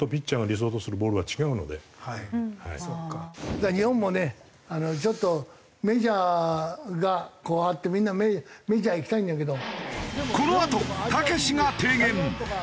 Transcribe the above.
だから日本もねちょっとメジャーがこうあってみんなメジャー行きたいんだけど。